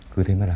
cứ thế mà làm